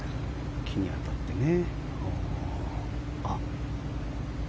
木に当たってね。